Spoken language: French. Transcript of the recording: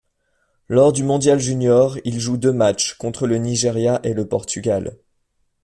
Lors du mondial junior, il joue deux matchs, contre le Nigeria et le Portugal.